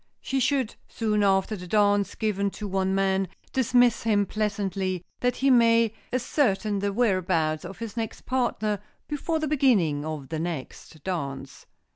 She should, soon after the dance given to one man, dismiss him pleasantly, that he may ascertain the whereabouts of his next partner before the beginning of the next dance.